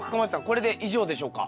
これで以上でしょうか？